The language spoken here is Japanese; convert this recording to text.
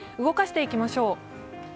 動かしていきましょう。